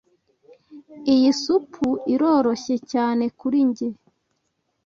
Iyi supu iroroshye cyane kuri njye.